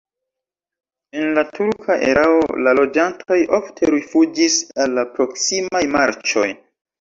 En la turka erao la loĝantoj ofte rifuĝis al la proksimaj marĉoj.